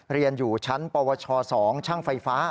เรียนอยู่ชั้นปวช๒ช่างไฟฟ้า